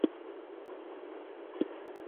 یا شاید لوی سړي د هغه نیکټايي کش کړې وي